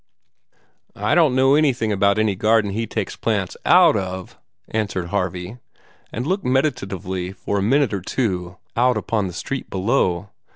"I don't know anything about any garden that he takes plants out of," answered Harvey, and looked meditatively for a minute or two out upon the street below.